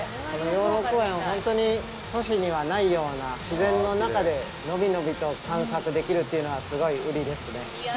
この養老公園は、本当に都市にはないような自然の中で、伸び伸びと散策できるというのは、すごい売りですね。